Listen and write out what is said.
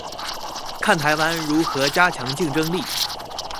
看台灣如何加強競爭力